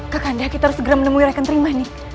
kak kandang kita harus segera menemui rekentrimanik